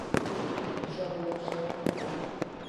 پیشانی داشتن